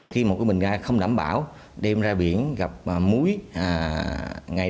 khi một cái bình ga không đảm bảo đem ra biển gặp múi